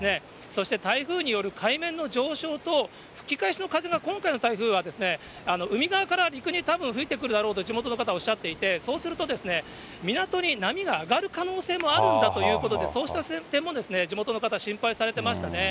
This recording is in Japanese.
そして台風による海面の上昇と、吹き返しの風が、今回の台風は海側から陸にたぶん吹いてくるだろうと地元の方おっしゃっていて、そうすると、港に波が上がる可能性もあるんだということで、そうした点も、地元の方、心配されてましたね。